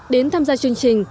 đến tham gia chương trình